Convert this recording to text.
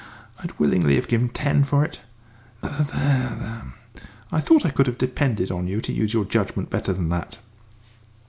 I'd willingly have given ten for it. There, there, I thought I could have depended on you to use your judgment better than that!"